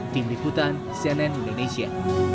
tim liputan cnn indonesia